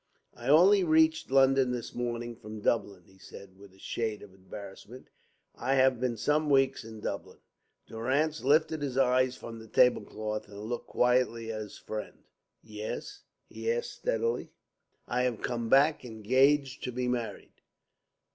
"I only reached London this morning from Dublin," he said with a shade of embarrassment. "I have been some weeks in Dublin." Durrance lifted his eyes from the tablecloth and looked quietly at his friend. "Yes?" he asked steadily. "I have come back engaged to be married."